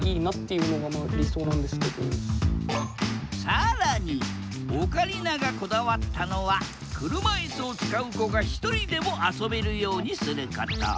更にオカリナがこだわったのは車いすを使う子がひとりでも遊べるようにすること。